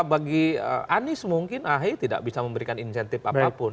bagi anies mungkin ahy tidak bisa memberikan insentif apapun